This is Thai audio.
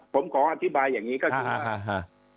ผมขออธิบายอย่างนี้ก็คือว่าฮะ